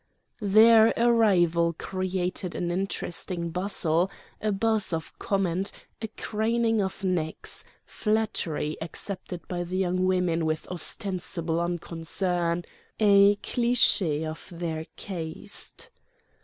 Their arrival created an interesting bustle, a buzz of comment, a craning of necks—flattery accepted by the young women with ostensible unconcern, a cliché of their caste.